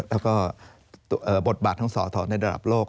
แล้วก็บทบาทสหรษฐระดับโลก